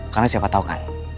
karena siapa tau kan